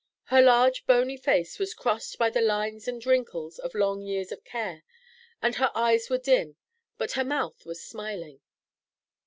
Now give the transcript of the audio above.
Her large bony face was crossed by the lines and wrinkles of long years of care, and her eyes were dim; but her mouth was smiling.